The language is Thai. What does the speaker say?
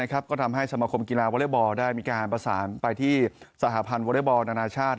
ก็ทำให้สมคมกีฬาวอเล็กบอลได้มีการประสานไปที่สหพันธ์วอเล็กบอลนานาชาติ